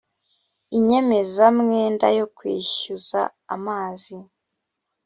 inyemezamwenda yo kwishyuza amazi